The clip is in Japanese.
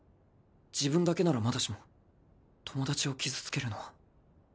自分だけならまだしも友達を傷つけるのは。